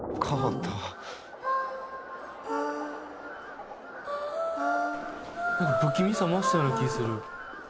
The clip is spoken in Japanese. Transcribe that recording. なんか不気味さ増したような気ぃする。